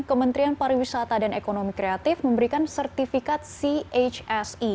kementerian pariwisata dan ekonomi kreatif memberikan sertifikat chse